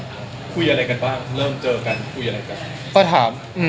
คุยอะไรกันบ้างเริ่มเจอกันคุยอะไรกัน